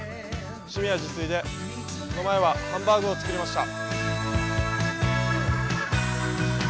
趣味は自炊でこの前はハンバーグを作りました。